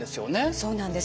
そうなんです。